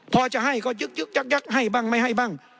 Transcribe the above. พอจะให้ก็ยึกยักให้บ้างไม่ให้บ้าง